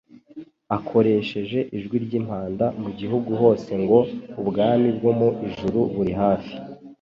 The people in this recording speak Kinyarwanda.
akoresheje ijwi ry'impanda mu gihugu hose ngo: "Ubwami bwo mu ijuru buri hafi."